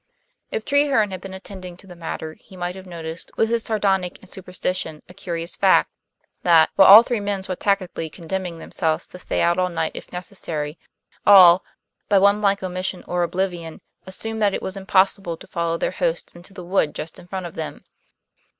If Treherne had been attending to the matter he might have noted, with his sardonic superstition, a curious fact that, while all three men were tacitly condemning themselves to stay out all night if necessary, all, by one blank omission or oblivion, assumed that it was impossible to follow their host into the wood just in front of them.